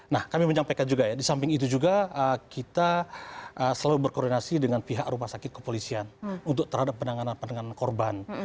nah kami menyampaikan juga ya di samping itu juga kita selalu berkoordinasi dengan pihak rumah sakit kepolisian untuk terhadap penanganan penanganan korban